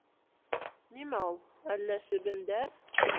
Нимә ул, әллә себендәр?